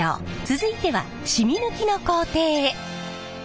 続いてはしみ抜きの工程へ。